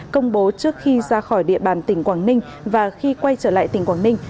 công bố trước khi ra khỏi địa bàn tỉnh quảng ninh và khi quay trở lại tỉnh quảng ninh